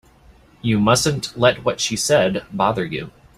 You mustn't let what she said bother you.